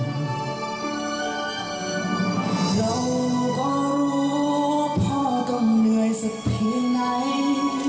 เรารู้ว่าพ่อต้องเหนื่อยสักเพียงไหน